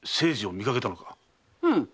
うん。